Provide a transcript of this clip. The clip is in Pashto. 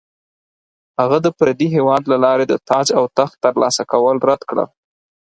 هغه د پردي هیواد له لارې د تاج او تخت ترلاسه کول رد کړل.